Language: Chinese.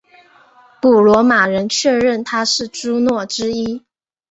古罗马人确认她是朱诺之一。